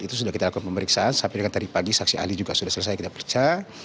itu sudah kita lakukan pemeriksaan sampai dengan tadi pagi saksi ahli juga sudah selesai kita periksa